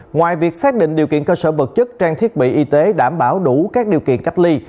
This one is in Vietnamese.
ngoài việc xác định điều kiện cơ sở vật chất trang thiết bị y tế đảm bảo đủ các điều kiện cách ly